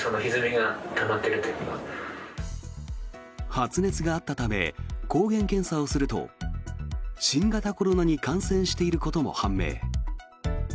発熱があったため抗原検査をすると新型コロナに感染していることも判明。